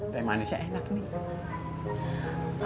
teh manisnya enak nih